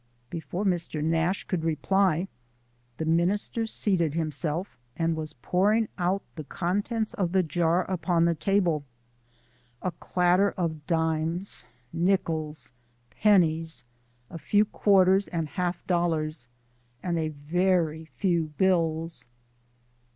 Before Mr. Nash could reply the minister seated himself and was pouring out the contents of the jar upon the table a clatter of dimes, nickels, pennies, a few quarters and half dollars, and a very few bills.